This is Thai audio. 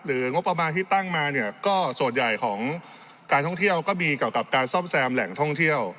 งบประมาณที่ตั้งมาเนี่ยก็ส่วนใหญ่ของการท่องเที่ยวก็มีเกี่ยวกับการซ่อมแซมแหล่งท่องเที่ยว